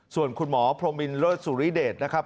ส่วนคุณหมอพรมมินเลิศสุริเดชนะครับ